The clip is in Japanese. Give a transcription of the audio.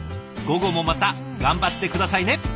午後もまた頑張って下さいね！